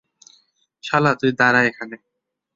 শালা তুই দাঁড়া এখানে!